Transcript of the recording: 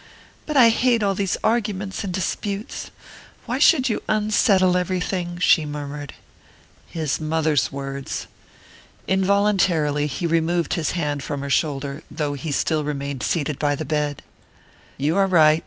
"But I hate all these arguments and disputes. Why should you unsettle everything?" she murmured. His mother's words! Involuntarily he removed his hand from her shoulder, though he still remained seated by the bed. "You are right.